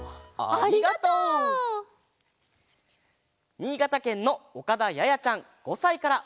にいがたけんのおかだややちゃん５さいから。